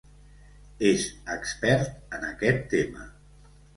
És expert en aquest tema.